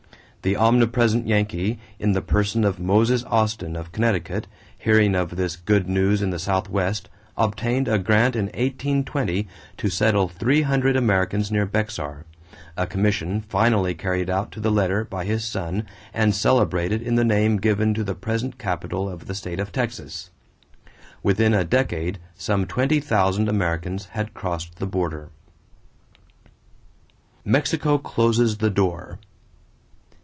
The omnipresent Yankee, in the person of Moses Austin of Connecticut, hearing of this good news in the Southwest, obtained a grant in 1820 to settle three hundred Americans near Bexar a commission finally carried out to the letter by his son and celebrated in the name given to the present capital of the state of Texas. Within a decade some twenty thousand Americans had crossed the border. =Mexico Closes the Door.